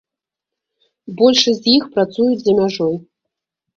Большасць з іх працуюць за мяжой.